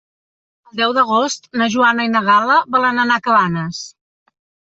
El deu d'agost na Joana i na Gal·la volen anar a Cabanes.